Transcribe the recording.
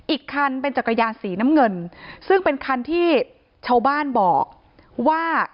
อีกคันเป็นจักรยานสีน้ำเงินซึ่งเป็นคันที่ชาวบ้านบอกว่า